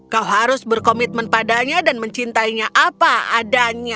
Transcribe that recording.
kau harus berkomitmen padanya dan mencintainya apa adanya